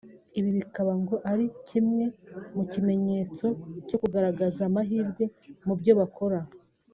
Ibi bikaba ngo ari kimwe mu kimenyetso cyo kugaragaza amahirwe mubyo bakora